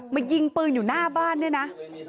มายิงปืนอยู่หน้าบ้านด้วยนะ